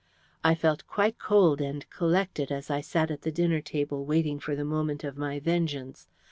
"I felt quite cold and collected as I sat at the dinner table waiting for the moment of my vengeance.